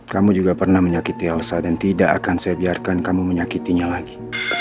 kamu juga pernah menyakiti elsa dan tidak akan saya biarkan kamu menyakitinya lagi